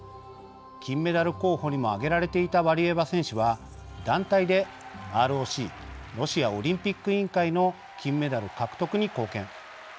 金メダル候補にも挙げられていたワリエワ選手は、団体でＲＯＣ＝ロシアオリンピック委員会の金メダル獲得に貢献。